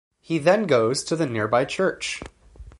He then goes to the nearby church.